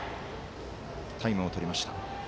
タイムをとりました。